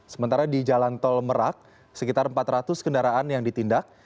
sementara di jalan tol merak sekitar empat ratus kendaraan yang ditindak